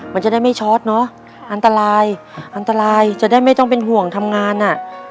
มันจะได้ไม่ชอตเนอะอันตรายอันตรายจะได้ไม่ต้องเป็นห่วงทำงานอ่ะ